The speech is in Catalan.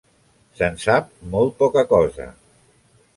Se'n sap molt poca cosa.